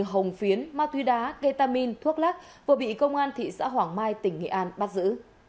hồng phạm hồng phiến ma thuy đá kê tam minh thuốc lắc vừa bị công an thị xã hoàng mai tỉnh nghệ an bắt giữ